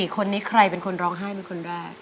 คนนี้ใครเป็นคนร้องไห้เป็นคนแรก